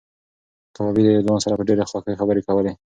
کبابي د یو ځوان سره په ډېرې خوښۍ خبرې کولې.